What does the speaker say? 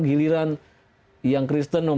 giliran yang kristen